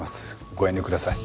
ご遠慮ください。